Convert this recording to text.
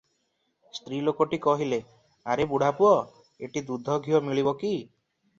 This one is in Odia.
ସ୍ତ୍ରୀ ଲୋକଟି କହିଲେ, "ଆରେ ବୁଢ଼ାପୁଅ, ଏଠି ଦୁଧ ଘିଅ ମିଳିବ?